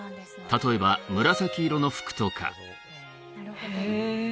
例えば紫色の服とかへえ